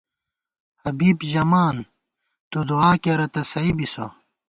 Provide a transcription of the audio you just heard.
حبیب ژَمان تُو دُعا کېرہ تہ سَئ بِسہ